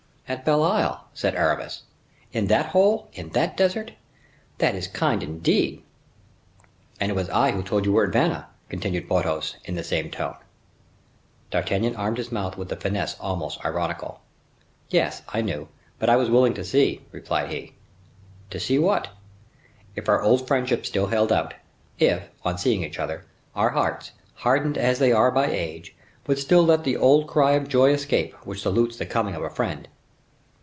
"At Belle Isle!" said Aramis, "in that hole, in that desert! That is kind, indeed!" "And it was I who told him you were at Vannes," continued Porthos, in the same tone. D'Artagnan armed his mouth with a finesse almost ironical. "Yes, I knew, but I was willing to see," replied he. "To see what?" "If our old friendship still held out; if, on seeing each other, our hearts, hardened as they are by age, would still let the old cry of joy escape, which salutes the coming of a friend."